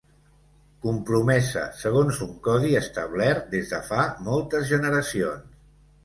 Compromesa segons un codi establert des de fa moltes generacions.